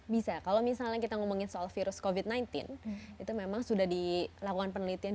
bisa kalau misalnya kita ngomongin soal virus covid sembilan belas itu memang sudah dilakukan penelitian